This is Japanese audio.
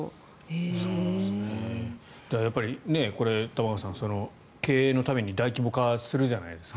やっぱりこれ、玉川さん経営のために大規模化するじゃないですか。